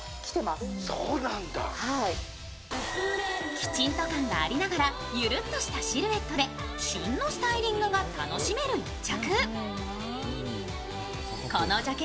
きちんと感がありながらゆるっとしたシルエットで旬のスタイリングが楽しめる１着。